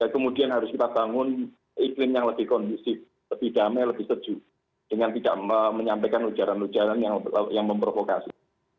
kemudian harus kita bangun iklim yang lebih kondusif lebih damai lebih sejuk dengan tidak menyampaikan ujaran ujaran yang memprovokasi